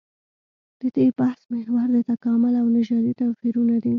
د دې بحث محور د تکامل او نژادي توپيرونه دي.